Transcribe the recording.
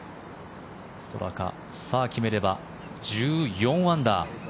ストラカ決めれば１４アンダー。